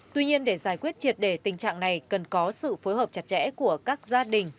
tuy nhiên để giải quyết triệt đề tình trạng này cần có sự phối hợp chặt chẽ của các gia đình